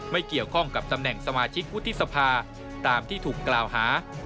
ไม่เกี่ยวข้องกับตำแหน่งสมาชิกวุฒิสภาตามที่ถูกกล่าวหา